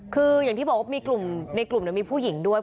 คืออย่างที่บอกว่ามีกลุ่มในกลุ่มมีผู้หญิงด้วย